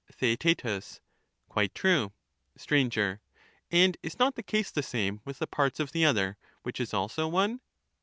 Theaet. Quite true. Str, And is not the case the same with the parts of the other, which is also one